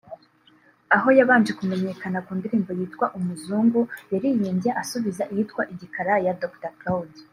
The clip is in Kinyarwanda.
aho yabanje kumenyekana ku ndirimbo yitwa Umuzungu yaririmbye asubiza iyitwa Igikara ya Dr Claude